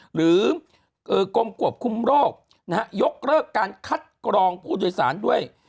หรือกรมกวบคุมโรคยกเลิกการคัดกรองผู้โดยสารด้วย